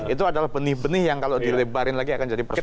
itu adalah benih benih yang kalau dilebarin lagi akan jadi persoalan